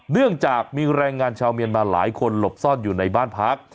เนื่องจากมีแรงงานชาวเมียนมาหลายคนหลบซ่อนอยู่ในบ้านพัก